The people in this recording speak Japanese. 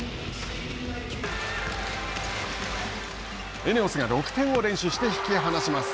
ＥＮＥＯＳが６点を連取して引き離します。